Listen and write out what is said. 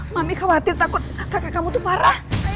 mami khawatir takut kakak kamu tuh parah